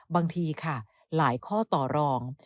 บางทีค่ะหลายข้อต่อรอง